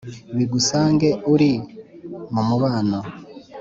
bigusange uri mu mubano